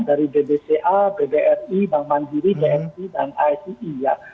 dari bbca bdri bank mandiri dnp dan asei ya